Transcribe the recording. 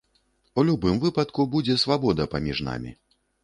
У любым выпадку будзе свабода паміж намі.